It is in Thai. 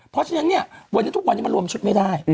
เพราะฉะนั้นเนี่ยวันนี้ทุกวันนี้มันรวมชุดไม่ได้